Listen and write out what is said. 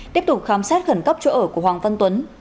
tiếp tục khám xét khẩn cấp chỗ ở của hoàng văn tuấn